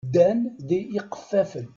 Ddan d iqeffafen.